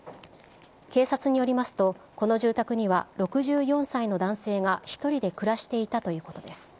警察によりますと、この住宅には６４歳の男性が、１人で暮らしていたということです。